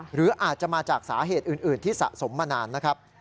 หรืออาจจะมาจากสาเหตุอื่นที่สะสมมานานนะครับ